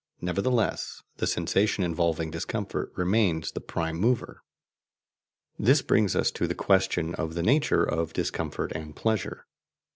Nevertheless the sensation involving discomfort remains the prime mover. This brings us to the question of the nature of discomfort and pleasure.